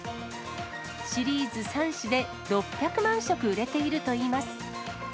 シリーズ３種で、６００万食売れているといいます。